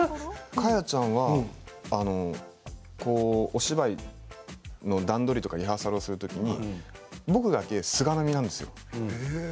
果耶ちゃんはお芝居の段取りとかリハーサルをするときに僕だけ菅波なんですよ。